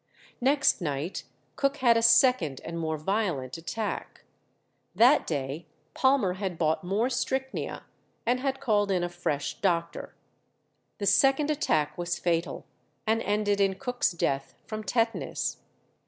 Next night Cook had a second and a more violent attack. That day Palmer had bought more strychnia, and had called in a fresh doctor. The second attack was fatal, and ended in Cook's death from tetanus.